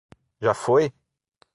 Já foi?